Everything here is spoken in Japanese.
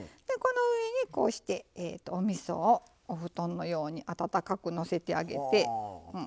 この上にこうしておみそをお布団のようにあたたかく載せてあげて。